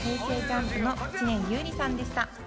ＪＵＭＰの知念侑李さんでした。